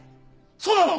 そうなの？